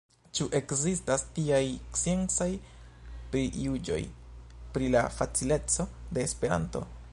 Ĉu ekzistas tiaj sciencaj prijuĝoj pri la facileco de Esperanto?